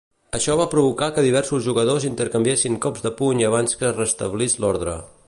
Això va provocar que diversos jugadors intercanviessin cops de puny abans que es restablís l'ordre.